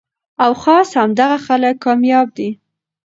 او خاص همدغه خلک کامياب دي